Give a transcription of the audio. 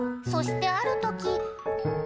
そしてあるとき。